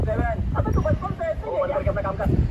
څه د اضدادو مجموعه یې د بلا لوري,